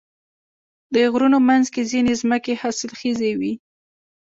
د غرونو منځ کې ځینې ځمکې حاصلخیزې وي.